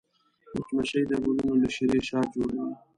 مچمچۍ د ګلونو له شيرې شات جوړوي